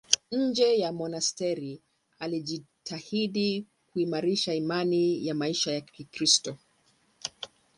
Nje ya monasteri alijitahidi kuimarisha imani na maisha ya Kikristo.